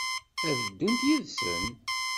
Ad ddunt yid-sen?